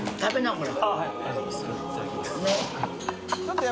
これ。